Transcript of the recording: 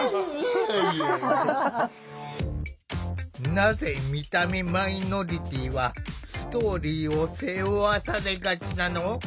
なぜ見た目マイノリティーはストーリーを背負わされがちなの？